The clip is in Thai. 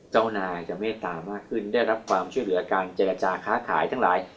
เจ้านายจะเมตตามากขึ้นได้รับความช่วยเหลือการเจรจาค้าขายทั้งหลาย